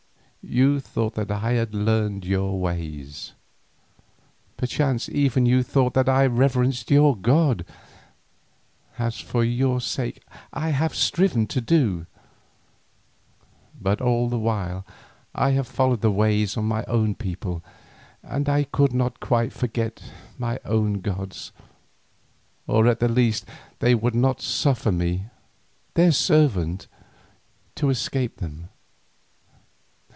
You thought that I had learned your ways, perchance even you thought that I reverenced your God, as for your sake I have striven to do, but all the while I have followed the ways of my own people and I could not quite forget my own gods, or at the least they would not suffer me, their servant, to escape them.